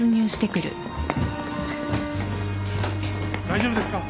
大丈夫ですか？